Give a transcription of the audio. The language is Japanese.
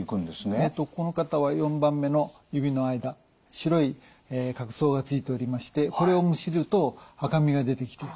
この方は４番目の指の間白い角層がついておりましてこれをむしると赤みが出てきて。